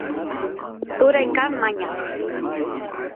turay kan mañaq